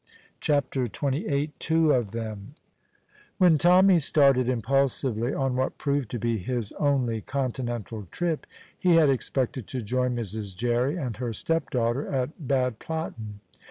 CHAPTER XXVIII TWO OF THEM When Tommy started impulsively on what proved to be his only Continental trip he had expected to join Mrs. Jerry and her stepdaughter at Bad Platten.